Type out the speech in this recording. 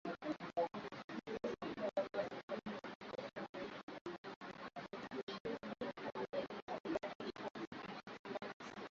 Ukristo kutoka neno la Kigiriki Khristos ambalo